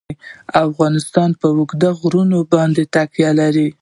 افغانستان په اوږده غرونه باندې تکیه لري.